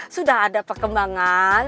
sudah ada perkembangan